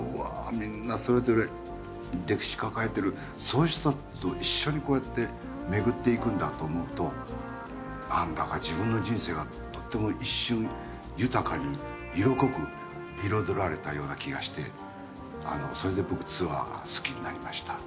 みんなそれぞれ歴史抱えてるそういう人たちと一緒にこうやって巡っていくんだと思うとなんだか自分の人生がとても一瞬豊かに色濃く彩られたような気がしてそれで僕ツアーが好きになりました。